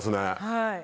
はい。